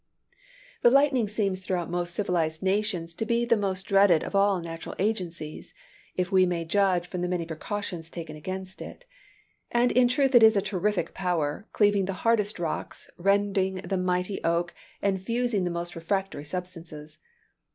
The lightning seems throughout most civilized nations to be the most dreaded of all natural agencies, if we may judge from the many precautions taken against it. And in truth it is a terrific power, cleaving the hardest rocks, rending the mighty oak, and fusing the most refractory substances.